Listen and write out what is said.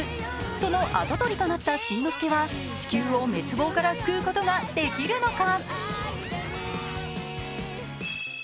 その跡取りとなったしんのすけは地球を滅亡から救うことができるのか。